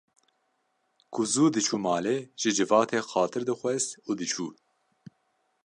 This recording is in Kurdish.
Ku zû diçû malê ji civatê xatir dixwest û diçû